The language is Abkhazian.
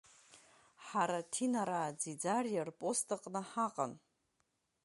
Ҳара Ҭинараа Ӡиӡариа рпост аҟны ҳаҟан.